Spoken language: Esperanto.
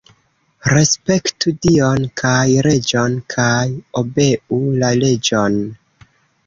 Respektu Dion kaj reĝon kaj obeu la leĝon.